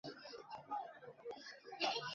神奈川东部方面线。